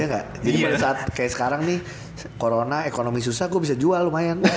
enggak jadi pada saat kayak sekarang nih corona ekonomi susah kok bisa jual lumayan